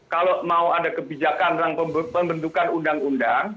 kalau mau ada kebijakan tentang pembentukan undang undang